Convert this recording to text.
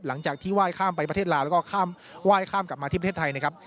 หลังจากที่ไหว้ข้ามไปประเทศลาวแล้วก็ไหว้ข้ามกลับมาที่ประเทศไทยนะครับ